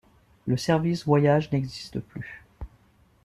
Le service voyages n'existe plus.